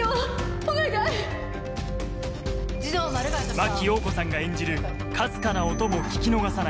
真木よう子さんが演じるかすかな音も聞き逃さない